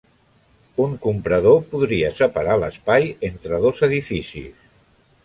Un comprador podria separar l'espai entre dos edificis.